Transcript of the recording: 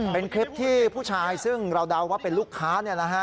เป็นคลิปที่ผู้ชายซึ่งเราเดาว่าเป็นลูกค้า